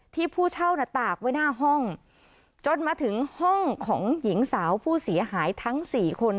ผู้เช่าน่ะตากไว้หน้าห้องจนมาถึงห้องของหญิงสาวผู้เสียหายทั้งสี่คน